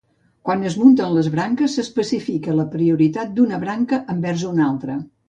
Quan es munten les branques, s'especifica la prioritat d'una branca envers una altra.